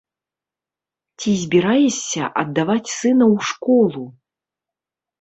Ці збіраешся аддаваць сына ў школу?